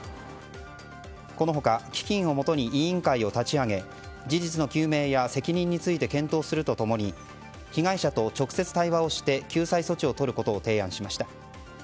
この他、基金をもとに委員会を立ち上げ事実の究明や責任について検討すると共に被害者と直接対話をして救済措置をとることを提案しました。